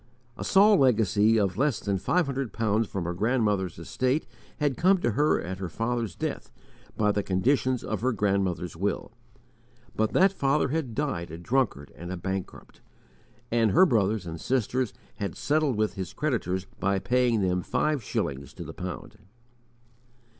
A small legacy of less than five hundred pounds from her grandmother's estate had come to her at her father's death by the conditions of her grandmother's will. But that father had died a drunkard and a bankrupt, and her brothers and sisters had settled with his creditors by paying them five shillings to the pound.